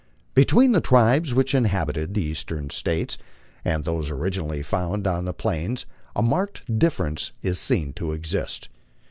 Between the tribes which inhabited the Eastern States and those originally found on the Plains a marked difference is seen to exist.